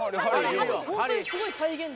ホントにすごい再現度。